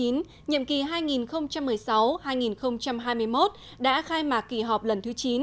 nhiệm kỳ hai nghìn một mươi sáu hai nghìn hai mươi một đã khai mạc kỳ họp lần thứ chín